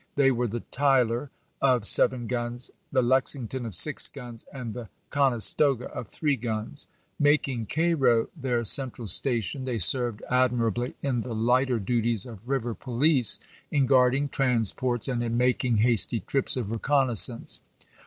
They were the Tyler, of seven guns, the Lexington, of six guns, and the Conestoga, of three guns. Making Cairo thek cen tral station, they served admu ably in the lighter duties of river police, in guarding transports, and in making hasty trips of reconnaissance.